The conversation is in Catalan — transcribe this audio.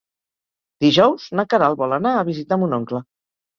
Dijous na Queralt vol anar a visitar mon oncle.